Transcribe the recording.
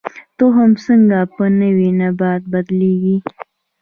تخم څنګه په نوي نبات بدلیږي؟